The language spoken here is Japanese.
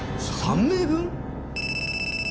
３名分！？